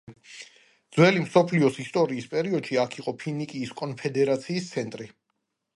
ძველი მსოფლიოს ისტორიის პერიოდში აქ იყო ფინიკიის კონფედერაციის ცენტრი.